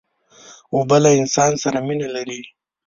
اوبه له انسان سره مینه لري.